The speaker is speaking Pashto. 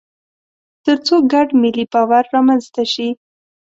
تر څو ګډ ملي باور رامنځته شي.